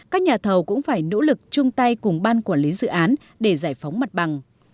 các nhà thầu cũng phải nỗ lực chung tay cùng ban quản lý dự án để giải phóng mặt bằng